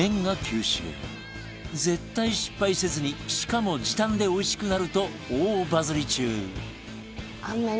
絶対失敗せずにしかも時短でおいしくなると大バズり中ねえ！